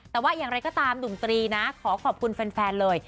แต่ว่าอย่างไรก็ตามหนุ่มตรีนะขอขอบคุณแฟนเลย